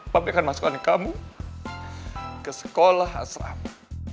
papi akan masukkan kamu ke sekolah asrama